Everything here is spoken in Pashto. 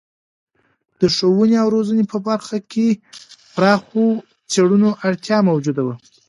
د ښوونې او روزنې په برخه کې د پراخو څیړنو اړتیا موجوده ده.